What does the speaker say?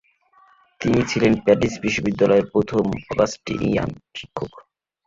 তিনি ছিলেন প্যারিস বিশ্ববিদ্যালয়ের প্রথম অগাস্টিনিয়ান শিক্ষক।